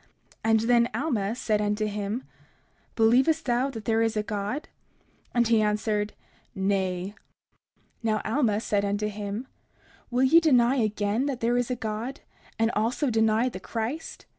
30:37 And then Alma said unto him: Believest thou that there is a God? 30:38 And he answered, Nay. 30:39 Now Alma said unto him: Will ye deny again that there is a God, and also deny the Christ?